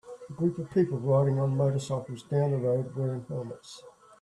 A group of people riding on motorcycles down the road wearing helmets.